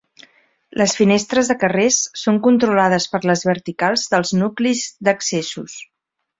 Les finestres de carrers són controlades per les verticals dels nuclis d'accessos.